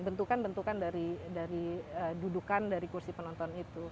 bentukan bentukan dari dudukan dari kursi penonton itu